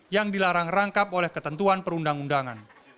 yang dilarang rangkap oleh ketentuan perundang undangan